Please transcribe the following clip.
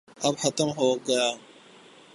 اب ختم ہوگیا۔